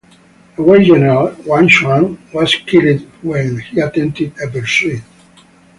A Wei general, Wang Shuang, was killed when he attempted a pursuit.